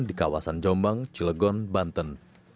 di kawasan jombang cilegon banten